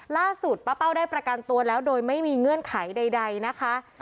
ล่าสุดป้าเป้าได้ประกันตัวแล้วโดยไม่มีเงื่อนไขใดนะคะ